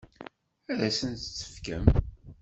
Ad asent-tt-tefkem?